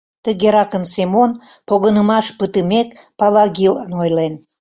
Тыгеракын Семон, погынымаш пытымек, Палагилан ойлен.